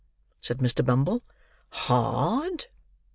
said Mr. Bumble. "Hard?"